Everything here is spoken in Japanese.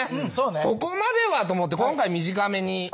そこまではと思って今回短めに。